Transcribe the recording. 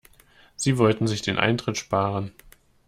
Sie wollten sich den Eintritt sparen.